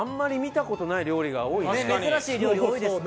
珍しい料理多いですね。